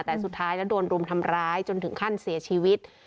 แต่สุดท้ายแล้วโดนรุมทำร้ายจนถึงขั้นเสียชีวิต